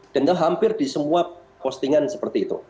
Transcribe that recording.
dan hampir di semua postingan seperti itu